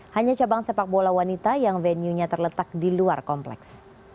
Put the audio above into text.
hanya cabang sepak bola wanita yang venue nya terletak di luar kompleks